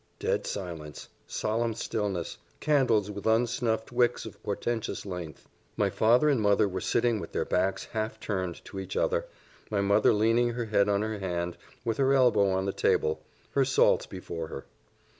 Dead silence solemn stillness candles with unsnuffed wicks of portentous length. My father and mother were sitting with their backs half turned to each other, my mother leaning her head on her hand, with her elbow on the table, her salts before her.